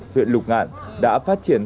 huyện lục ngạn đã phát triển